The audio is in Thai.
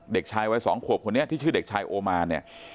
เด็กชายวัย๒ขวบคนนี้ที่ชื่อเด็กชายโอมานเนี่ย